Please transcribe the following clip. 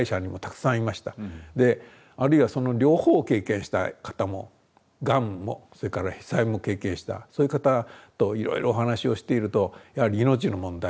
であるいはその両方を経験した方もがんもそれから被災も経験したそういう方といろいろお話をしているとやはり命の問題というのに行き着きます。